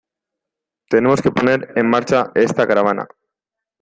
Tenemos que poner en marcha esta caravana.